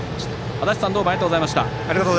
足達さんどうもありがとうございました。